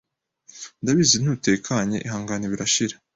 ndabizi ntutekanye ihangane birashira ”